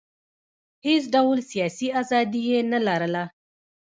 هېڅ ډول سیاسي ازادي یې نه لرله.